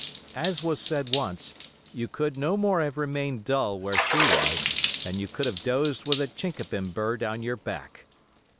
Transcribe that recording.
As was said once, you could no more have remained dull where she was than you could have dozed with a chinkapin burr down your back.